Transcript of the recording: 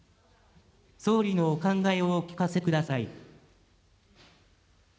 総理のお考えをお聞かせください。